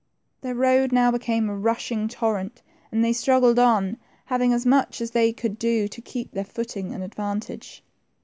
Their road now became a rushing torrent, and they struggled on, having as much as they could do to keep . their footing, and advance.